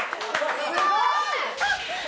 ・すごーい！